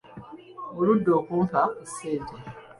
Oludde okumpa ku ssente.